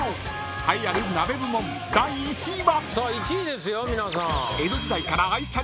［栄えある鍋部門第１位は］